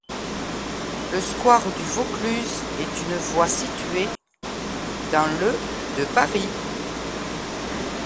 Le square de Vaucluse est une voie située dans le de Paris.